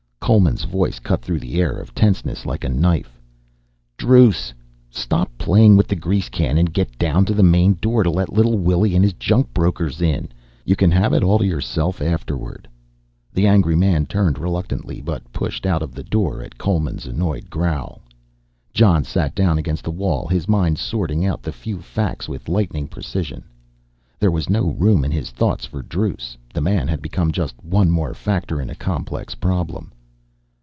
Coleman's voice cut through the air of tenseness like a knife. "Druce, stop playing with the grease can and get down to the main door to let Little Willy and his junk brokers in. You can have it all to yourself afterward." The angry man turned reluctantly, but pushed out of the door at Coleman's annoyed growl. Jon sat down against the wall, his mind sorting out the few facts with lightning precision. There was no room in his thoughts for Druce, the man had become just one more factor in a complex problem.